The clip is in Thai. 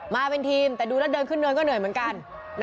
มาเป็นทีมแต่ดูแล้วเดินขึ้นเนินก็เหนื่อยเหมือนกัน